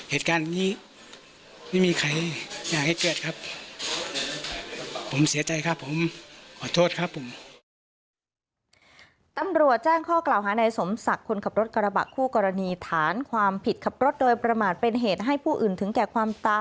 เหตุการณ์นี้ไม่มีใครอยากให้เกิดครับผมเสียใจครับผม